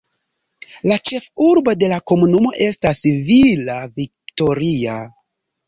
La ĉefurbo de la komunumo estas Villa Victoria.